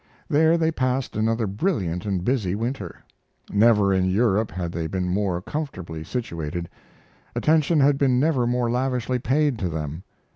There they passed another brilliant and busy winter. Never in Europe had they been more comfortably situated; attention had been never more lavishly paid to them.